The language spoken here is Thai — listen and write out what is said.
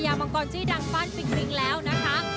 พญามังกรชิดังบ้านปิ่งแล้วนะคะ